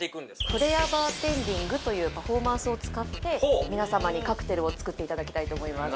フレアバーテンディングというパフォーマンスを使って皆様にカクテルを作っていただきたいと思います